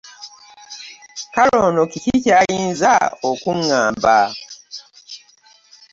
Kale ono kiki ky'ayinza okuŋŋamba?